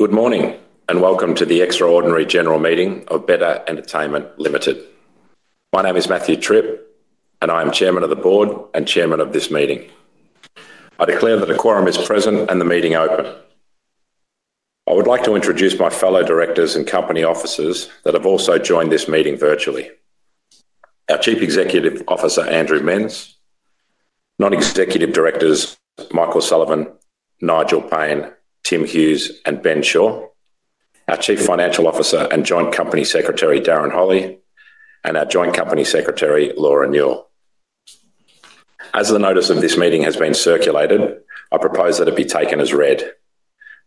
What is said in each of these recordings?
Good morning and welcome to the extraordinary general meeting of Betr Entertainment Ltd. My name is Matthew Tripp, and I am Chairman of the Board and Chairman of this meeting. I declare that a quorum is present and the meeting open. I would like to introduce my fellow directors and company officers that have also joined this meeting virtually. Our Chief Executive Officer, Andrew Menz; Non-Executive Directors, Michael Sullivan, Nigel Payne, Tim Hughes, and Ben Shaw; our Chief Financial Officer and Joint Company Secretary, Darren Holley; and our Joint Company Secretary, Laura Newell. As the notice of this meeting has been circulated, I propose that it be taken as read.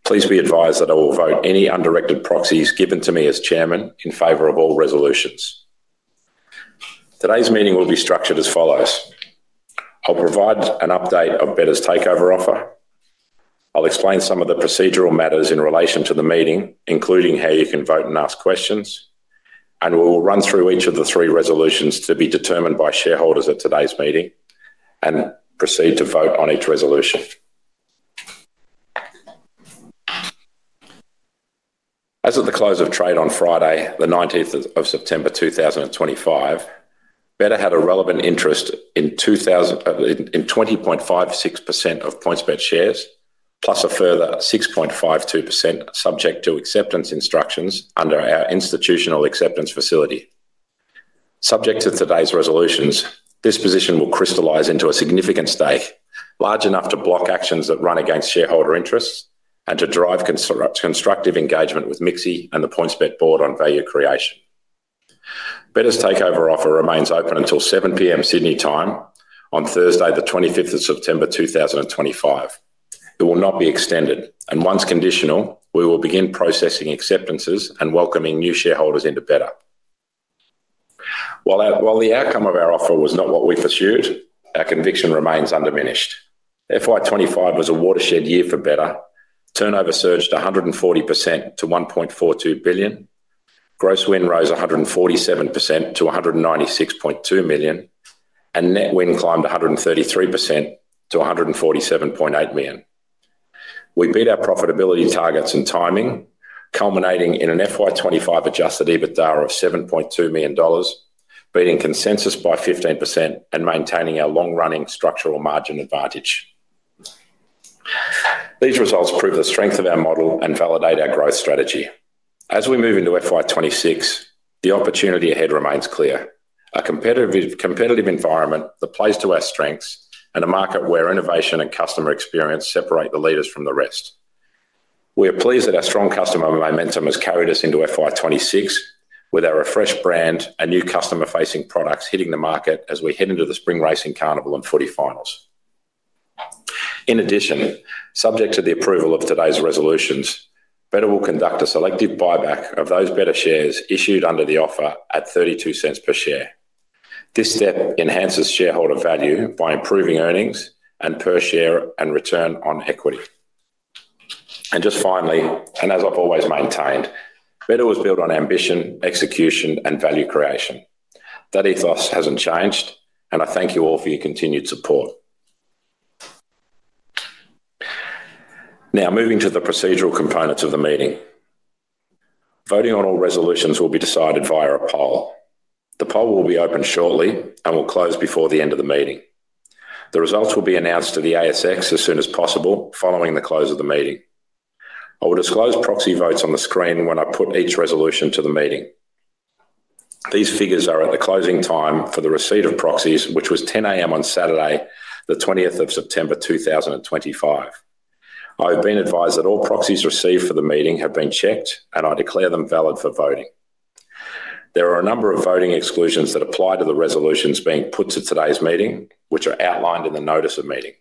Please be advised that I will vote any undirected proxies given to me as Chairman in favor of all resolutions. Today's meeting will be structured as follows. I'll provide an update on Betr's takeover offer. I'll explain some of the procedural matters in relation to the meeting, including how you can vote and ask questions. We'll run through each of the three resolutions to be determined by shareholders at today's meeting and proceed to vote on each resolution. As of the close of trade on Friday, the 19th of September 2025, Betr had a relevant interest in 20.56% of PointsBet Holdings Limited shares, plus a further 6.52% subject to acceptance instructions under our institutional acceptance facility. Subject to today's resolutions, this position will crystallize into a significant stake, large enough to block actions that run against shareholder interests and to drive constructive engagement with MIXI, Inc. and the PointsBet Holdings Limited board on value creation. Betr's takeover offer remains open until 7:00 P.M. Sydney time on Thursday, the 25th of September 2025. It will not be extended, and once conditional, we will begin processing acceptances and welcoming new shareholders into Betr. While the outcome of our offer was not what we pursued, our conviction remains undiminished. FY25 was a watershed year for Betr. Turnover surged 140% to $1.42 billion. Gross win rose 147% to $196.2 million, and net win climbed 133% to $147.8 million. We beat our profitability targets in timing, culminating in an FY25 adjusted EBITDA of $7.2 million, beating consensus by 15% and maintaining our long-running structural margin advantage. These results prove the strength of our model and validate our growth strategy. As we move into FY26, the opportunity ahead remains clear: a competitive environment that plays to our strengths and a market where innovation and customer experience separate the leaders from the rest. We are pleased that our strong customer momentum has carried us into FY26, with our refreshed brand and new customer-facing products hitting the market as we head into the Spring Racing Carnival and Footy Finals. In addition, subject to the approval of today's resolutions, Betr Entertainment Ltd will conduct a selective buyback of those Betr Entertainment Ltd shares issued under the offer at $0.32 per share. This step enhances shareholder value by improving earnings per share and return on equity. Just finally, as I've always maintained, Betr Entertainment Ltd was built on ambition, execution, and value creation. That ethos hasn't changed, and I thank you all for your continued support. Now, moving to the procedural components of the meeting. Voting on all resolutions will be decided via a poll. The poll will be open shortly and will close before the end of the meeting. The results will be announced to the ASX as soon as possible following the close of the meeting. I will disclose proxy votes on the screen when I put each resolution to the meeting. These figures are at the closing time for the receipt of proxies, which was 10:00 A.M. on Saturday, the 20th of September 2025. I have been advised that all proxies received for the meeting have been checked, and I declare them valid for voting. There are a number of voting exclusions that apply to the resolutions being put to today's meeting, which are outlined in the notice of meeting.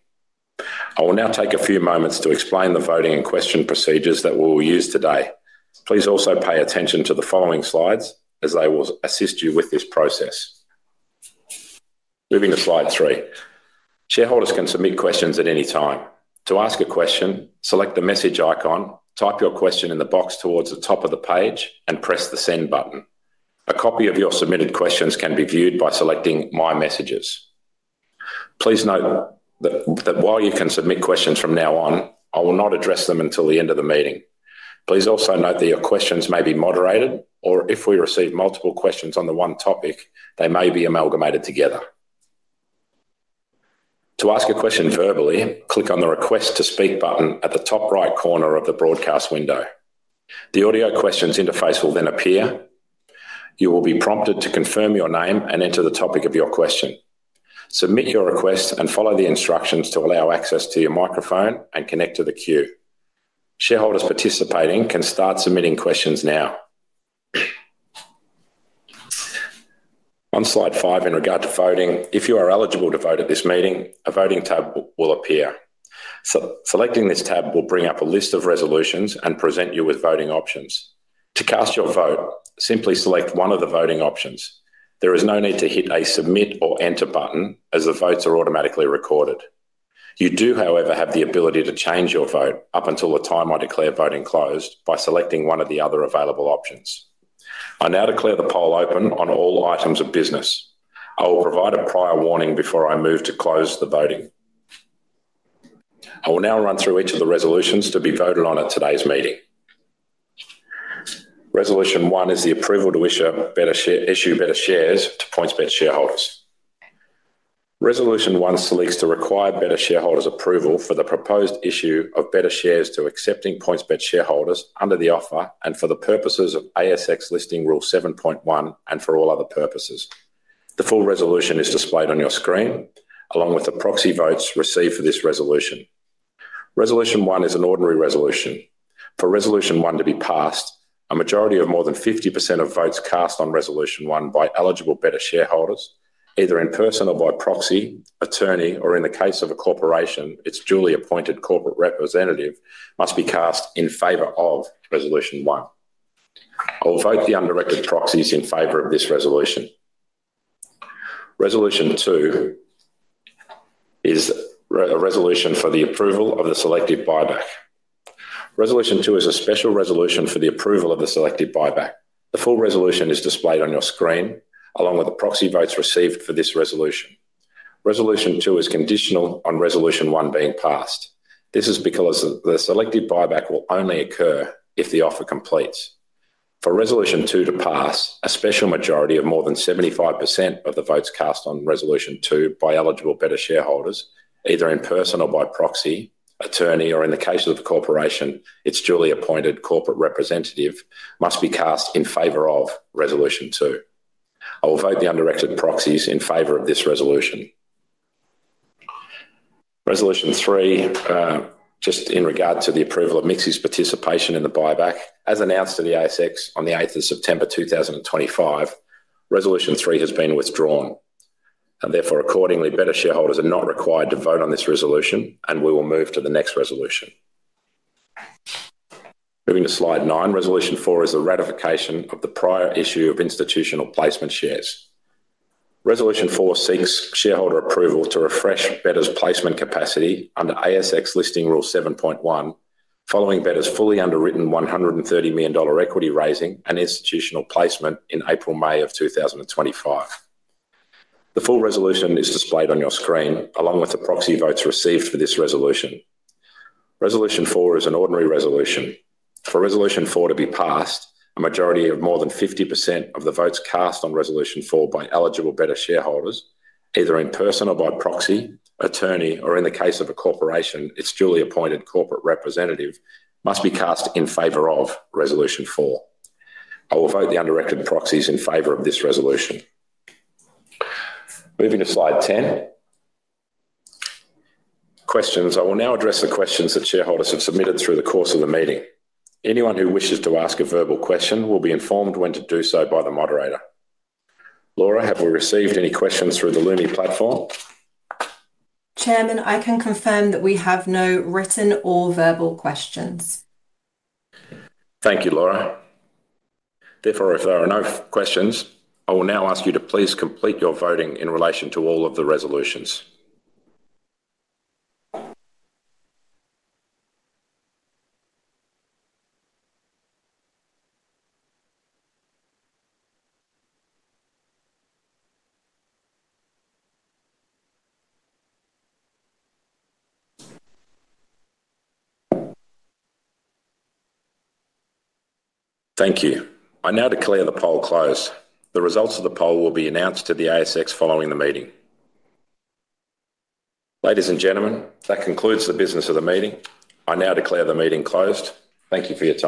I will now take a few moments to explain the voting and question procedures that we will use today. Please also pay attention to the following slides, as they will assist you with this process. Moving to slide three, shareholders can submit questions at any time. To ask a question, select the message icon, type your question in the box towards the top of the page, and press the send button. A copy of your submitted questions can be viewed by selecting my messages. Please note that while you can submit questions from now on, I will not address them until the end of the meeting. Please also note that your questions may be moderated, or if we receive multiple questions on the one topic, they may be amalgamated together. To ask a question verbally, click on the request to speak button at the top right corner of the broadcast window. The audio questions interface will then appear. You will be prompted to confirm your name and enter the topic of your question. Submit your request and follow the instructions to allow access to your microphone and connect to the queue. Shareholders participating can start submitting questions now. On slide five, in regard to voting, if you are eligible to vote at this meeting, a voting tab will appear. Selecting this tab will bring up a list of resolutions and present you with voting options. To cast your vote, simply select one of the voting options. There is no need to hit a submit or enter button, as the votes are automatically recorded. You do, however, have the ability to change your vote up until the time I declare voting closed by selecting one of the other available options. I now declare the poll open on all items of business. I will provide a prior warning before I move to close the voting. I will now run through each of the resolutions to be voted on at today's meeting. Resolution one is the approval to issue Betr shares to PointsBet shareholders. Resolution one seeks to require Betr shareholders' approval for the proposed issue of Betr shares to accepting PointsBet shareholders under the offer and for the purposes of ASX Listing Rule 7.1 and for all other purposes. The full resolution is displayed on your screen, along with the proxy votes received for this resolution. Resolution one is an ordinary resolution. For resolution one to be passed, a majority of more than 50% of votes cast on resolution one by eligible Betr shareholders, either in person or by proxy, attorney, or in the case of a corporation, its duly appointed corporate representative, must be cast in favour of resolution one. I will vote the undirected proxies in favour of this resolution. Resolution two is a resolution for the approval of the selective buyback. Resolution two is a special resolution for the approval of the selective buyback. The full resolution is displayed on your screen, along with the proxy votes received for this resolution. Resolution two is conditional on resolution one being passed. This is because the selective buyback will only occur if the offer completes. For resolution two to pass, a special majority of more than 75% of the votes cast on resolution two by eligible Betr shareholders, either in person or by proxy, attorney, or in the case of a corporation, its duly appointed corporate representative, must be cast in favour of resolution two. I will vote the undirected proxies in favor of this resolution. Resolution three, just in regard to the approval of MIXI's participation in the buyback, as announced to the ASX on the 8th of September 2025, resolution three has been withdrawn. Therefore, accordingly, Betr shareholders are not required to vote on this resolution, and we will move to the next resolution. Moving to slide nine, resolution four is the ratification of the prior issue of institutional placement shares. Resolution four seeks shareholder approval to refresh Betr's placement capacity under ASX Listing Rule 7.1, following Betr's fully underwritten $130 million equity raising and institutional placement in April-May of 2025. The full resolution is displayed on your screen, along with the proxy votes received for this resolution. Resolution four is an ordinary resolution. For resolution four to be passed, a majority of more than 50% of the votes cast on resolution four by eligible Betr shareholders, either in person or by proxy, attorney, or in the case of a corporation, its duly appointed corporate representative, must be cast in favor of resolution four. I will vote the undirected proxies in favor of this resolution. Moving to slide ten, questions. I will now address the questions that shareholders have submitted through the course of the meeting. Anyone who wishes to ask a verbal question will be informed when to do so by the moderator. Laura, have we received any questions through the Looney platform? Chairman, I can confirm that we have no written or verbal questions. Thank you, Laura. Therefore, if there are no questions, I will now ask you to please complete your voting in relation to all of the resolutions. Thank you. I now declare the poll closed. The results of the poll will be announced to the ASX following the meeting. Ladies and gentlemen, that concludes the business of the meeting. I now declare the meeting closed. Thank you for your time.